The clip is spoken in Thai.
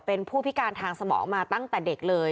เป็นผู้พิการทางสมองมาตั้งแต่เด็กเลย